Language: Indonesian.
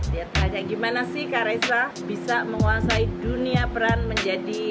dia tanya gimana sih karesa bisa menguasai dunia peran menjadi